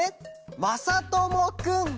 まさともくん！」。